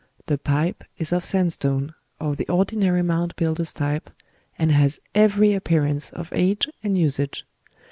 The pipe is of sandstone, of the ordinary Mound Builder's type, and has every appearance of age and usage.